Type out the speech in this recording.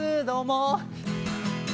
どうも。